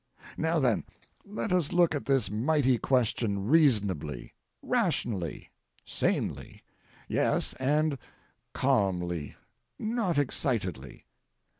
Now then, let us look at this mighty question reasonably, rationally, sanely—yes, and calmly, not excitedly.